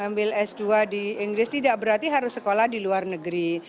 ambil s dua di inggris tidak berarti harus sekolah di luar negeri